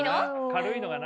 軽いのがな。